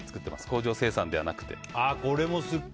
工場生産ではなくて。